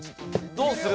どうする？